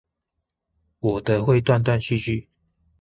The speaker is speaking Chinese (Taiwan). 我的會斷斷續續